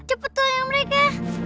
cepat tahu yang mereka